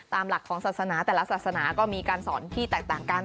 ตามหลักของศาสนาแต่ละศาสนาก็มีการสอนที่แตกต่างกัน